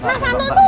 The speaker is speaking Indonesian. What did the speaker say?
mas anto ada di sini